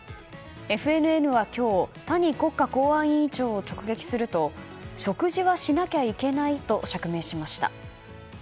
ＦＮＮは今日谷国家公安委員長を直撃すると食事はしなきゃいけないと釈明しました。